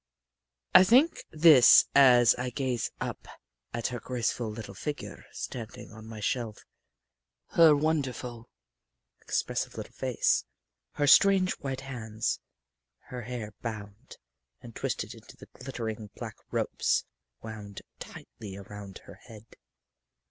I think this as I gaze up at her graceful little figure standing on my shelf; her wonderful expressive little face; her strange white hands; her hair bound and twisted into glittering black ropes and wound tightly around her head.